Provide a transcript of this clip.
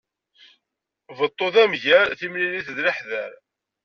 Beṭṭu d amger, timlilit d leḥder.